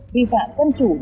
vi phạm dân chủ